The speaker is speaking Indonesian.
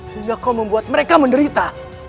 hingga kau membuat mereka menderita